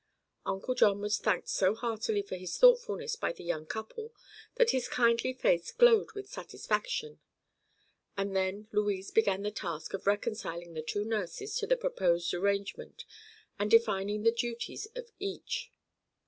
Uncle John was thanked so heartily for his thoughtfulness by the young couple that his kindly face glowed with satisfaction, and then Louise began the task of reconciling the two nurses to the proposed arrangement and defining the duties of each.